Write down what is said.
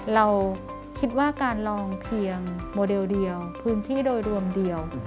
เราคิดว่าการลองเพียงโมเดลเดียวพื้นที่โดยรวมเดียว